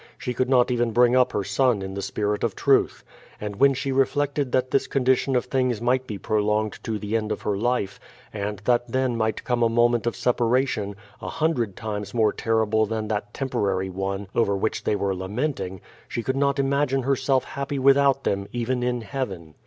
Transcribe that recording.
She could not even bring up her son in the spirit of truth. And when she reflected that this condition of things might be prolonged to the end of her life, and that then might come a moment of separation, a hundred times more terrible than that tem porary one over which they were lamenting, she could not imagine herself happy without them even in heaven.